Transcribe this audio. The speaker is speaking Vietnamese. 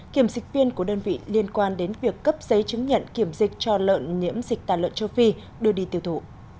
kiểm dịch viên của đơn vị liên quan đến việc cấp giấy chứng nhận kiểm dịch cho lợn nhiễm dịch tả lợn châu phi đưa đi tiêu thụ